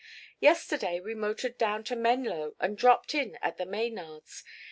"Yesterday we motored down to Menlo and dropped in at the Maynards.